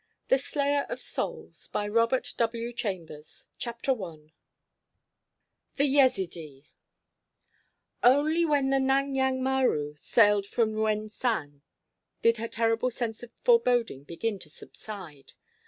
THE SLAYER OF SOULS THE SLAYER OF SOULS CHAPTER I THE YEZIDEE Only when the Nan yang Maru sailed from Yuen San did her terrible sense of foreboding begin to subside.